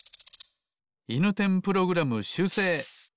いぬてんプログラムしゅうせい。